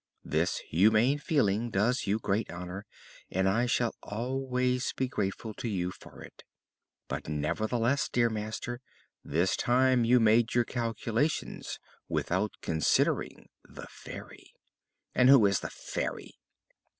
This humane feeling does you great honor and I shall always be grateful to you for it. But, nevertheless, dear master, this time you made your calculations without considering the Fairy!" "And who is the Fairy?"